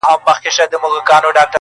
په زګېروي مي له زلمیو شپو بېلېږم،